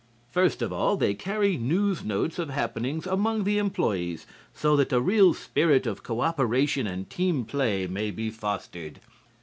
First of all, they carry news notes of happenings among the employees, so that a real spirit of cooperation and team play may be fostered.